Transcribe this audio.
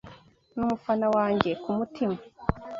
Ni umufana wange ku mutima